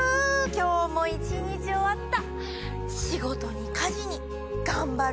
今日も一日終わった。